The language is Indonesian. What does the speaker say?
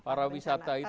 para wisata itu